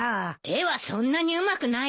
絵はそんなにうまくないわよね。